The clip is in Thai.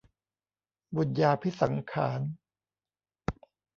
บุญญาภิสังขาร